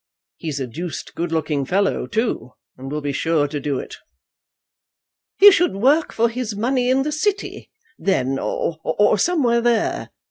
He's a deuced good looking fellow, too, and will be sure to do it." "He should work for his money in the city, then, or somewhere there.